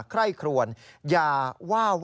ใคร่ครวนอย่าว่า